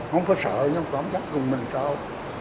không phải sợ nhưng có cảm giác cùng mình sao